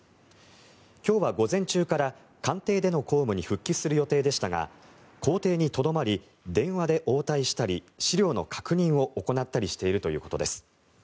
今日は午前中から官邸での公務に復帰する予定でしたが公邸にとどまり電話で応対したり資料の確認を行ったりしているということです。